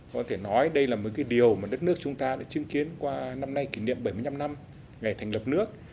có thể nói đây là một cái điều mà đất nước chúng ta đã chứng kiến qua năm nay kỷ niệm bảy mươi năm năm ngày thành lập nước